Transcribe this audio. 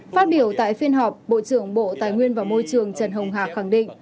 phát biểu tại phiên họp bộ trưởng bộ tài nguyên và môi trường trần hồng hà khẳng định